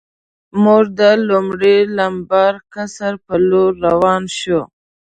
موږ د لومړي لمبر قصر په لور روان شو.